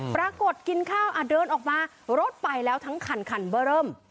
ปรากฏกินข้าวเดินออกมารถไปแล้วทั้งคันคันเบอร์เริ่ม